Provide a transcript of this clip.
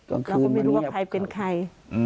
ตอนคืนมันเงียบ